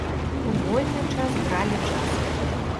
У вольны час гралі джаз.